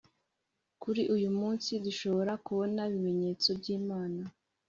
Kuri uyu munsi dushobora kubona ibimenyesto by`Imana